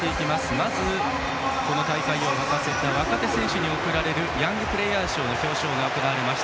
まずこの大会を沸かせた若手選手に対するヤングプレーヤー賞の表彰が行われました。